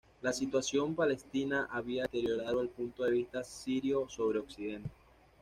La situación palestina había deteriorado el punto de vista sirio sobre Occidente.